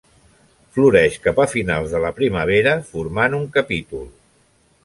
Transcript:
Floreix cap a finals de la primavera formant un capítol.